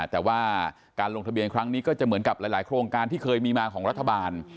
แต่ว่าการลงทะเบียนครั้งนี้ก็จะเหมือนกับหลายโครงการที่เคยมีมาของรัฐบาล